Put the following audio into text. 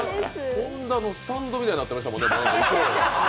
本田のスタンドみたいになってましたもんね。